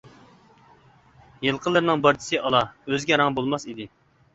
يىلقىلىرىنىڭ بارچىسى ئالا، ئۆزگە رەڭ بولماس ئىدى.